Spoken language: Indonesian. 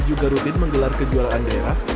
juga rutin menggelar kejuaraan daerah